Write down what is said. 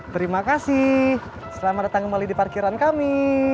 terima kasih selamat datang kembali di parkiran kami